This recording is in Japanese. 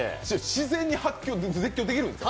自然に絶叫できるんですか？